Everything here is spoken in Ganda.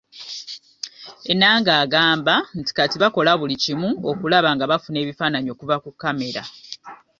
Enanga agamba nti kati bakola buli kimu okulaba nga bafuna ebifaananyi okuva ku kkamera.